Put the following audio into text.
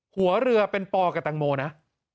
หัวเรือเป็นปอกับแตงโมนะ